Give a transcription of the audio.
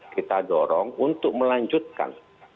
kita dorong untuk melanjutkan